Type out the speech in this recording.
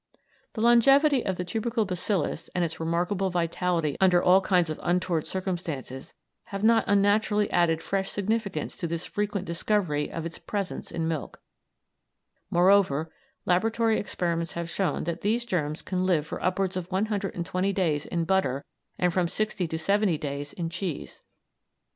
The longevity of the tubercle bacillus and its remarkable vitality under all kinds of untoward circumstances have not unnaturally added fresh significance to this frequent discovery of its presence in milk; moreover, laboratory experiments have shown that these germs can live for upwards of one hundred and twenty days in butter, and from sixty to seventy days in cheese.